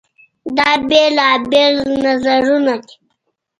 دا بېلابېل نظرونه دي.